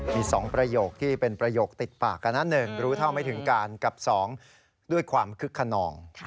มี๒ประโยคที่เป็นประโยคติดปากกันนะ๑รู้เท่าไม่ถึงการกับ๒ด้วยความคึกขนอง